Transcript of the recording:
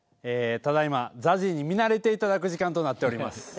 ええただいまＺＡＺＹに見慣れていただく時間となっております。